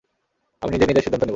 আমি নিজেই নিজের সিদ্ধান্ত নেবো।